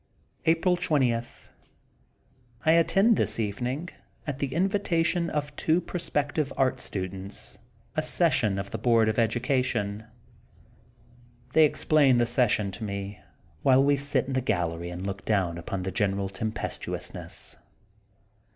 April 20: — ^I attend this evening, at the in vitation of two prospective art students, a session of the Board of Education. They ex plain the session to me, while we sit in the gallery and look down upon the general tem pestuousness.